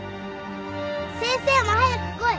先生も早く来い。